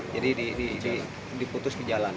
jadi diputus ke jalan